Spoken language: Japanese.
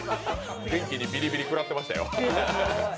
元気にビリビリくらってましたよ。